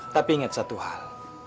tapi ingat satu hal